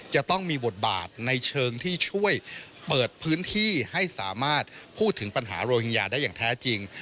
จะต้องมีบทบาทในเชิงที่ช่วยเปิดพื้นที่ให้สามารถพูดถึงปัญหาโรหิงญาได้อย่างแท้จริง